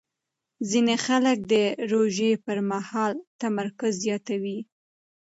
ځینې خلک د روژې پر مهال تمرکز زیاتوي.